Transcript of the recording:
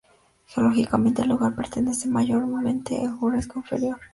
Geológicamente, el lugar pertenece, mayoritariamente, al Jurásico Inferior.